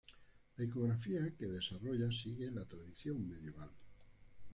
La iconografía que desarrolla sigue la tradición medieval.